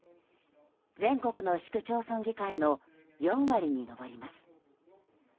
全国の市区町村議会の４割に上ります。